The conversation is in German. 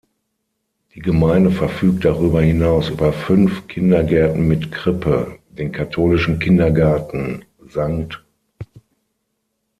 Die Gemeinde verfügt darüber hinaus über fünf Kindergärten mit Krippe: Den katholischen Kindergarten „St.